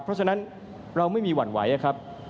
เพราะฉะนั้นเราไม่มีหวั่นไหวครับ